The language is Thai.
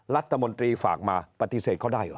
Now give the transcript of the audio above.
รัฐมนตรีฝากมาปฏิเสธเขาได้เหรอ